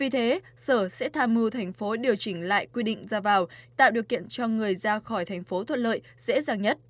thành phố điều chỉnh lại quy định ra vào tạo điều kiện cho người ra khỏi thành phố thuận lợi dễ dàng nhất